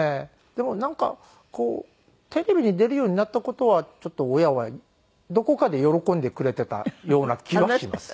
でもなんかこうテレビに出るようになった事はちょっと親はどこかで喜んでくれていたような気はします。